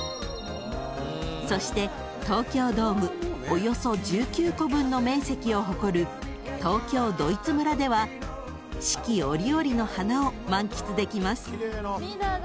［そして東京ドームおよそ１９個分の面積を誇る東京ドイツ村では四季折々の花を満喫できます］